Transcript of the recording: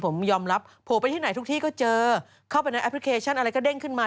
ผมยอมรับโผล่ไปที่ไหนทุกที่ก็เจอเข้าไปในแอปพลิเคชันอะไรก็เด้งขึ้นมา